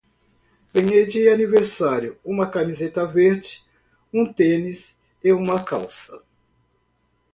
Ganhei de aniversário uma camiseta verde, um tênis e uma calça.